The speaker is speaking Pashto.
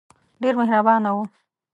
ډېر مهربانه وو.